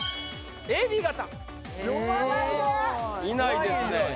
いないですね。